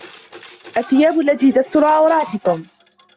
الثِّيَابَ الَّتِي تَسْتُرُ عَوْرَاتِكُمْ